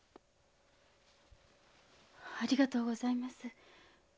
ありがとうございます。